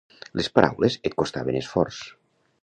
Les paraules et costaven esforç.